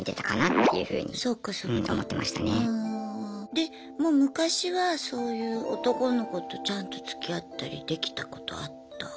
でもう昔はそういう男の子とちゃんとつきあったりできたことあった？